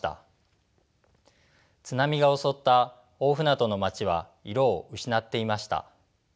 津波が襲った大船渡の街は色を失っていました。